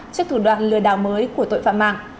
trước thủ đoạn lừa đảo mới của tội phạm mạng